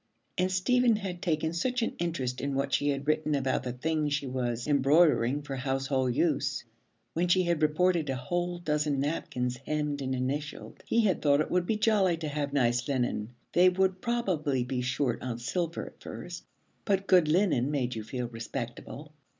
And Stephen had taken such an interest in what she had written about the things she was embroidering for household use. When she had reported a whole dozen napkins hemmed and initialed, he had thought it would be jolly to have nice linen. They would probably be short on silver at first, but good linen made you feel respectable.